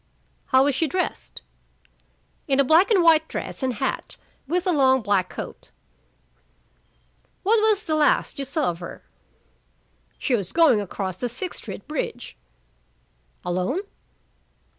"How was she dressed?" "In a black and white dress and hat, with a long black coat." "What was the last you saw of her?" "She was going across the Sixth Street bridge." "Alone?"